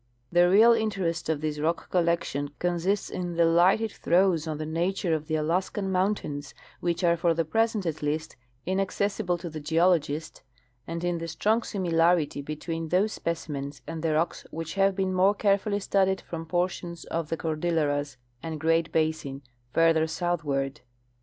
The real interest of this rock collection consists in the light it throws on the nature of the Alaskan mountains, which are for the present at least inaccessible to the geologist, and in the strong similarity between these specimens and the rocks which have been more carefully studied from portions of the Cordilleras and Great Basin farther southward.